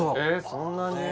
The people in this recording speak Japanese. そんなに？